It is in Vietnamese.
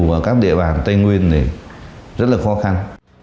ở các địa bàn tây nguyên này rất là khó khăn